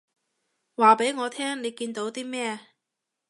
話畀我聽你見到啲咩